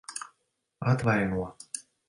Atvaino.